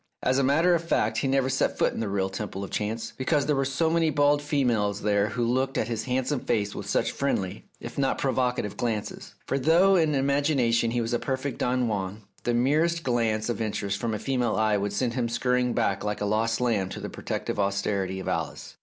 As a matter of fact, he never set foot in the real Temple of 271 The Tragedy of Oliver Bowman Chance, because there were so many bold females there who looked at his handsome face with such friendly, if not provocative, glances. For though in imagination he was a perfect Don Juan, the merest glance of interest from a female eye would send him scurrying back like a lost lamb to the protective austerity of Alice.